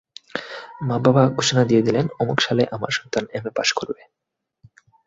মা-বাবা ঘোষণা দিয়ে দিলেন, অমুক সালে আমার সন্তান এমএ পাস করবে।